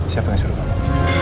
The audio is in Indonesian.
siapa yang suruh kamu